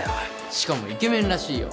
しかもイケメンらしいよ